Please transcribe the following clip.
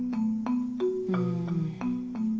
うん。